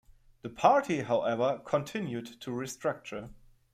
The party however, continued to restructure.